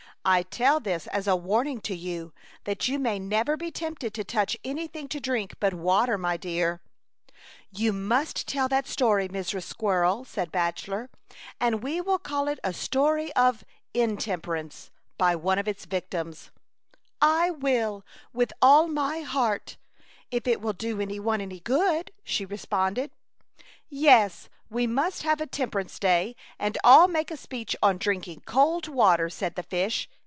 I tell this as a warn ing to you, that you may never be tempted to touch anything to drink but water, my dear/' " You must tell that story, Mrs. Squirrel," said Bachelor. And we will call it a story of intemperance, by one of its victims/' 78 A Chautauqua Idyl. " I will, with all my heart, if it will do any one any good,'' she re sponded '* Yes, we must have a Temperance Day and all make a speech on drink ing cold water,*' said the fish.